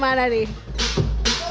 jangan lupa like share dan subscribe ya